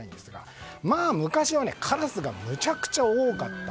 昔はカラスがむちゃくちゃ多かった。